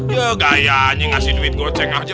ya gaya aja ngasih duit goceng aja